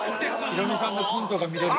ヒロミさんのコントが見れる。